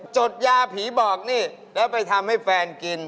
ดยาผีบอกนี่แล้วไปทำให้แฟนกิน